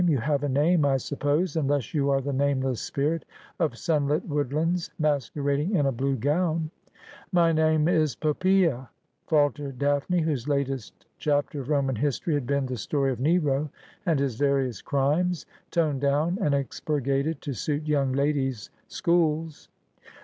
You have a name, I suppose : unless you are the nameless spirit of sunlit woodlands, masquerading in a blue gown ?'' My name— is— Poppasa,' faltered Daphne, whose latest chap ter of Roman history had been the story of Nero and his various crimes, toned down and expurgated to suit young ladies' schools.